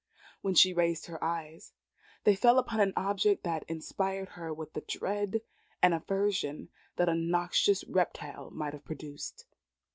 When she raised her eyes, they fell upon an object that inspired her with the dread and aversion that a noxious reptile might have produced.